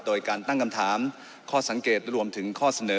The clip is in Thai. โดยการตั้งคำถามข้อสังเกตรวมถึงข้อเสนอ